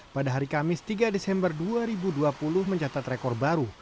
pada hari kamis tiga desember dua ribu dua puluh mencatat rekor baru